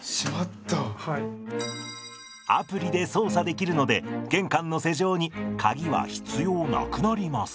アプリで操作できるので玄関の施錠に鍵は必要なくなります。